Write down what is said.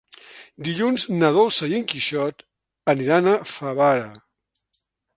Dilluns na Dolça i en Quixot aniran a Favara.